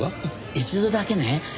一度だけね。